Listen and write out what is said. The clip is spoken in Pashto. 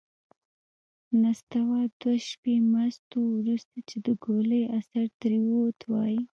نستوه دوه شپې مست و. وروسته چې د ګولۍ اثر ترې ووت، وايي: